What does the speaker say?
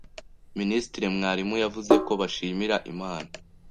Minisitiri Mwalimu yavuze ko bashimira Imana